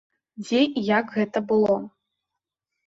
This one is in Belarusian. Дзе і як гэта было?